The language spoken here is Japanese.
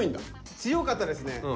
強かったですね。